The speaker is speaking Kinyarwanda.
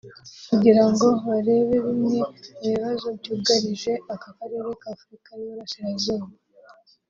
kugirango barebe bimwe mu bibazo byugarije aka karere ka Afurika y’Iburasirazuba